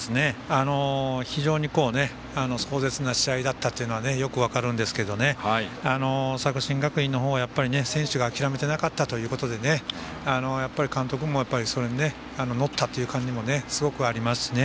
非常に壮絶な試合だったというのはよく分かるんですけど作新学院の方が選手が諦めてなかったということで監督もそれに乗ったという感じもすごくありますし。